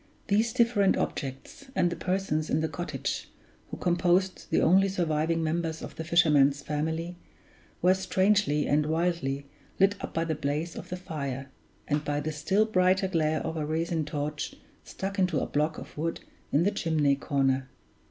These different objects, and the persons in the cottage, who composed the only surviving members of the fisherman's family, were strangely and wildly lit up by the blaze of the fire and by the still brighter glare of a resin torch stuck into a block of wood in the chimney corner.